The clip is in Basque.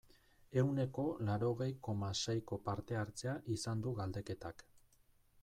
Ehuneko laurogei, koma, seiko parte-hartzea izan du galdeketak.